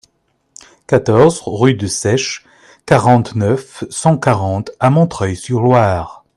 quatorze rue de Seiches, quarante-neuf, cent quarante à Montreuil-sur-Loir